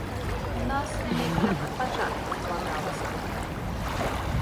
У нас неяк так ад пачатку складалася.